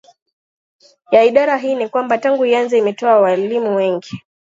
ya Idara hii ni kwamba tangu ianze Imetoa waalimu wengi